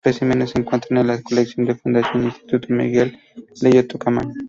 Los especímenes se encuentran en la colección de la Fundación-Instituto Miguel Lillo, Tucumán.